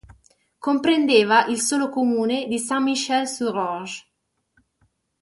Comprendeva il solo comune di Saint-Michel-sur-Orge.